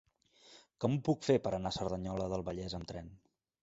Com ho puc fer per anar a Cerdanyola del Vallès amb tren?